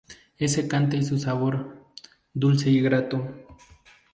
Es secante y su sabor, dulce y grato.